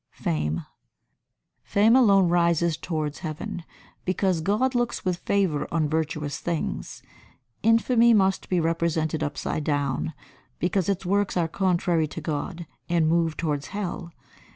[Sidenote: Fame] 87. Fame alone rises towards heaven, because God looks with favour on virtuous things; infamy must be represented upside down, because its works are contrary to God and move towards hell.